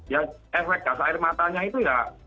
ya efek gas air matanya itu ya